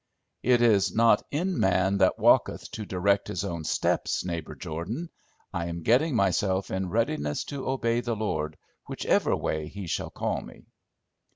"It is not in man that walketh to direct his own steps, neighbor Jordan. I am getting myself in readiness to obey the Lord, whichever way He shall call me."